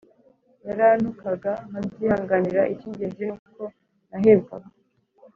Yarantukaga nkabyihanganira Icy’ ingenzi ni uko nahebwaga